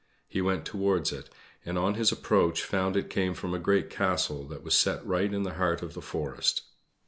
He went towards it, and on his approach found it came from a great castle that was set right in the heart of the forest.